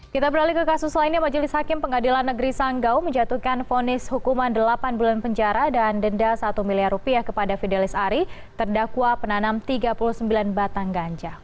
kita beralih ke kasus lainnya majelis hakim pengadilan negeri sanggau menjatuhkan fonis hukuman delapan bulan penjara dan denda satu miliar rupiah kepada fidelis ari terdakwa penanam tiga puluh sembilan batang ganja